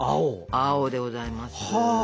青でございます！は。